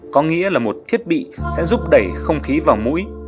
có nghĩa là một thiết bị sẽ giúp đẩy không khí vào mũi